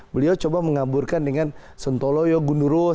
beliau coba mengaburkan dengan sentoloyo gundurus